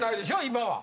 今は。